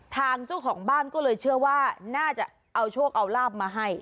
ทางเจ้าของบ้านก็เลยเชื่อว่าน่าจะเอาโชคเอาลาบมาให้